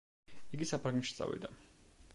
იგი საფრანგეთში წავიდა.